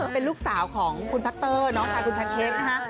เป็นลูกสาวของคุณพัตเตอร์คุณแพนเค้กนะ